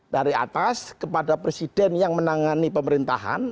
dari atas kepada presiden yang menangani pemerintahan